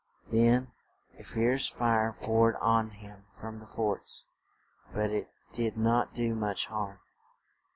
Then a fierce fire poured on him from the forts; but it did not do much harm.